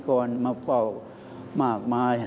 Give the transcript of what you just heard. ก็มีประชาชนพระศพนิกนมาเปล่ามากมาย